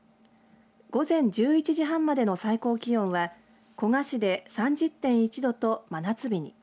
午前１１時半までの最高気温は古河市で３０．１度と真夏日に。